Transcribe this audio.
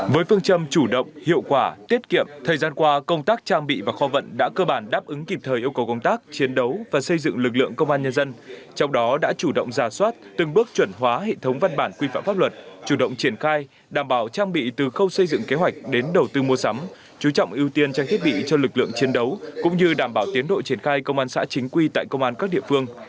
với phương châm chủ động hiệu quả tiết kiệm thời gian qua công tác trang bị và kho vận đã cơ bản đáp ứng kịp thời yêu cầu công tác chiến đấu và xây dựng lực lượng công an nhân dân trong đó đã chủ động ra soát từng bước chuẩn hóa hệ thống văn bản quy phạm pháp luật chủ động triển khai đảm bảo trang bị từ khâu xây dựng kế hoạch đến đầu tư mua sắm chú trọng ưu tiên trang thiết bị cho lực lượng chiến đấu cũng như đảm bảo tiến độ triển khai công an xã chính quy tại công an các địa phương